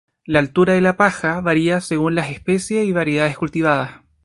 La altura de la paja varía según las especies y variedades cultivadas.